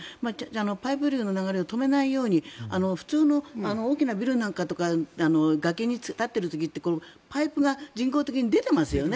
パイプ流の流れを止めないように普通の大きなビルとかが崖に立っている時ってパイプが人工的に出てますよね。